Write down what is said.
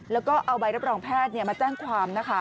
แล้วก็เอาใบรับรองแพทย์มาแจ้งความนะคะ